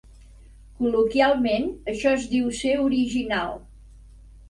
Col·loquialment, això es diu "ser original".